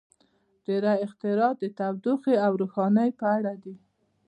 • ډېری اختراعات د تودوخې او روښنایۍ په اړه دي.